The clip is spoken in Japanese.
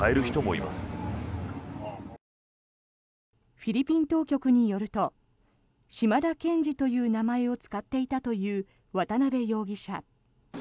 フィリピン当局によるとシマダ・ケンジという名前を使っていたという渡邉容疑者。